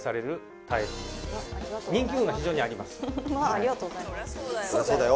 ありがとうございます。